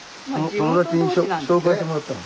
友達に紹介してもらったの。